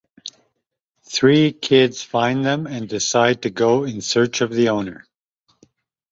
Three kids find them and decide to go in search of the owner.